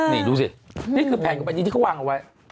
นี่ดูสินี่คือแผ่นของบรรยีที่เขาวางไว้